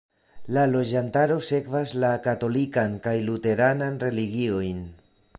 La loĝantaro sekvas la katolikan kaj la luteranan religiojn.